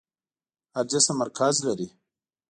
هر جسم مرکز لري.